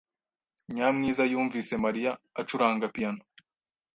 Nyamwiza yumvise Mariya acuranga piyano.